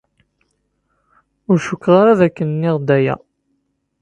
Ur cukkeɣ ara d akken nniɣ-d aya.